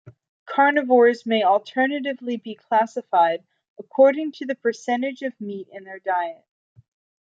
Carnivores may alternatively be classified according to the percentage of meat in their diet.